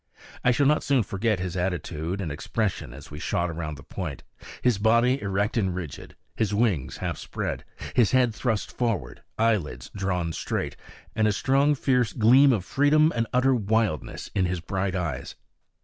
I shall not soon forget his attitude and expression as we shot round the point, his body erect and rigid, his wings half spread, his head thrust forward, eyelids drawn straight, and a strong fierce gleam of freedom and utter wildness in his bright eyes.